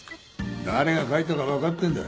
誰が書いたかはわかってんだ。